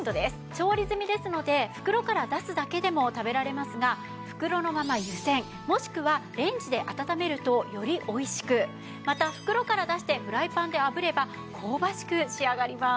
調理済みですので袋から出すだけでも食べられますが袋のまま湯せんもしくはレンジで温めるとよりおいしくまた袋から出してフライパンで炙れば香ばしく仕上がります。